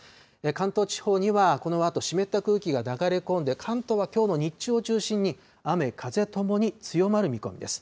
関東地方にはこのあと、湿った空気が流れ込んで、関東はきょうの日中を中心に、雨、風ともに強まる見込みです。